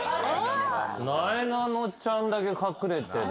なえなのちゃんだけ隠れてる。